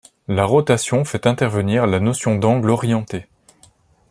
La rotation fait intervenir la notion d'angle orienté.